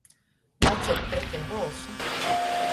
Naceļt pretim bolsu.